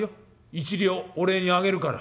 一両お礼にあげるから」。